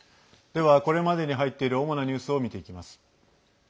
では、これまでに入っている主なニュースを見ていきます。